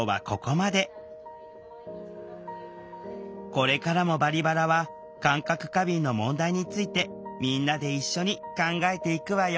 これからも「バリバラ」は感覚過敏の問題についてみんなで一緒に考えていくわよ